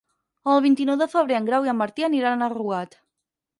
El vint-i-nou de febrer en Grau i en Martí aniran a Rugat.